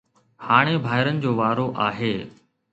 هاڻي ڀائرن جو وارو آهي